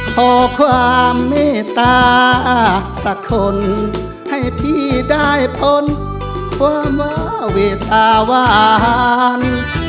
ขอความเมตตาสักคนให้พี่ได้พ้นความว่าเวตาวาน